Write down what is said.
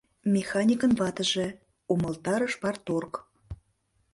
— Механикын ватыже, — умылтарыш парторг.